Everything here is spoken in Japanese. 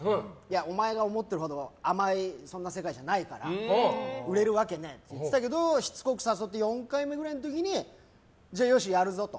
お前が思っているほど甘い世界じゃないから売れるわけねえって言ってたけどしつこく誘って４回目くらいの時によし、やるぞと。